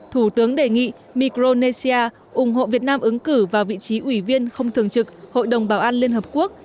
thủ tướng đề nghị micronesia ủng hộ việt nam ứng cử vào vị trí ủy viên không thường trực hội đồng bảo an liên hợp quốc